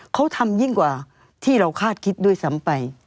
เขาทำยิ่งกว่าที่เราคาดคิดด้วยซ้ำไป